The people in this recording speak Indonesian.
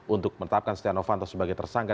untuk menetapkan siti ravanto sebagai tersangka